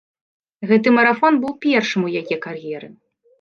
Гэты марафон быў першым у яе кар'еры.